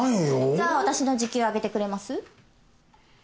じゃあ私の時給上げてくれます？